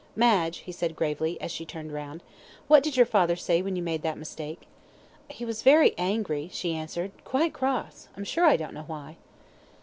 "Madge," he said, gravely, as she turned round, "what did your father say when you made that mistake?" "He was very angry," she answered. "Quite cross; I'm sure I don't know why."